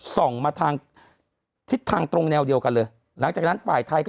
ส่องมาทางทิศทางตรงแนวเดียวกันเลยหลังจากนั้นฝ่ายไทยก็